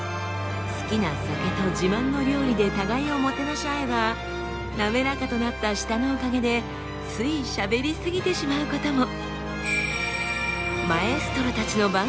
好きな酒と自慢の料理で互いをもてなし合えば滑らかとなった舌のおかげでついしゃべり過ぎてしまうことも。